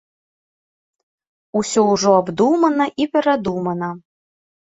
Усё ўжо абдумана і перадумана.